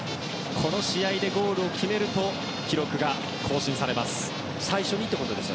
この試合でゴールを決めると記録が更新されます。